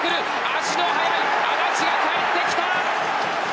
足の速い安達がかえってきた。